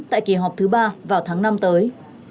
tại kỳ họp thứ ba vào tháng năm tới